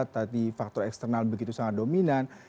tadi faktor eksternal begitu sangat dominan